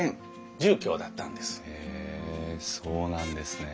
へえそうなんですね。